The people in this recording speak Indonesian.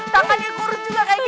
tangannya kurus juga kayak gini